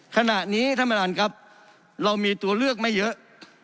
ขณะนี้ท่านประธานครับเรามีตัวเลือกไม่เยอะ